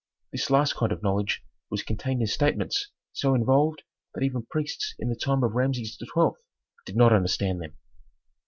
This last kind of knowledge was contained in statements so involved that even priests in the time of Rameses XII. did not understand them.